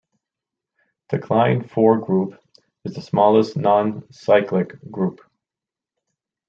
The Klein four-group is the smallest non-cyclic group.